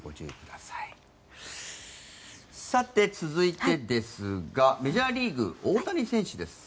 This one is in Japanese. さて、続いてですがメジャーリーグ、大谷選手です。